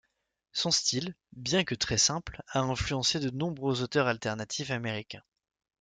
Son style, bien que très simple, a influencé de nombreux auteurs alternatifs américains.